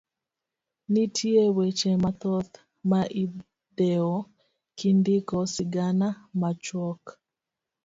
Nitie weche mathoth ma idewo kindiko sigana machuok.